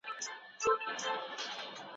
د "اف" کلیمه هم ورته مه کاروئ.